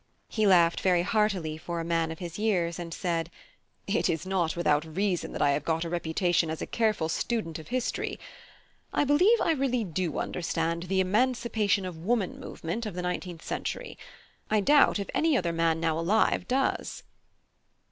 He laughed very heartily for a man of his years, and said: "It is not without reason that I have got a reputation as a careful student of history. I believe I really do understand 'the Emancipation of Women movement' of the nineteenth century. I doubt if any other man now alive does."